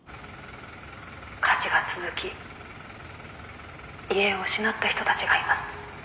「火事が続き家を失った人たちがいます」